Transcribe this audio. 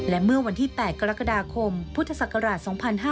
และเมื่อวันที่๘กรกฎาคมพุทธศักราช๒๕๕๙